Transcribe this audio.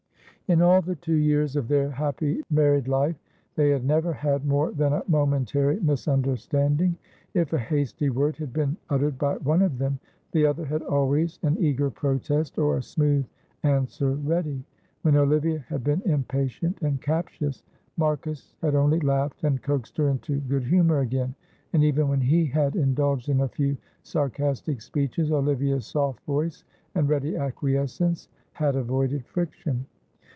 In all the two years of their happy married life they had never had more than a momentary misunderstanding. If a hasty word had been uttered by one of them, the other had always an eager protest or a smooth answer ready. When Olivia had been impatient and captious, Marcus had only laughed and coaxed her into good humour again. And even when he had indulged in a few sarcastic speeches, Olivia's soft voice and ready acquiescence had avoided friction.